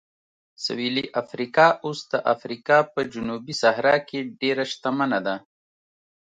سویلي افریقا اوس د افریقا په جنوبي صحرا کې ډېره شتمنه ده.